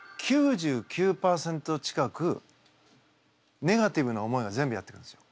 ９９％ちかくネガティブな思いが全部やって来るんですよ。